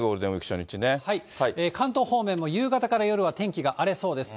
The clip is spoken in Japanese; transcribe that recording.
ゴー関東方面も夕方から夜は天気が荒れそうです。